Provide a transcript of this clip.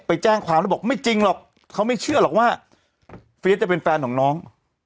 ไปแจ้งความแล้วบอกไม่จริงหรอกเขาไม่เชื่อหรอกว่าเฟียสจะเป็นแฟนของน้อง